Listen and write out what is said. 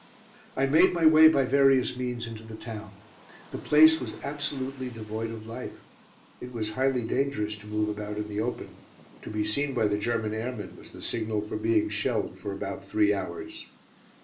I made my way by various means into the town. The place was absolutely devoid of life. It was highly dangerous to move about in the open. To be seen by the German airmen was the signal for being shelled for about three hours.